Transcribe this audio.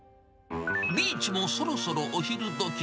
ビーチもそろそろお昼どき。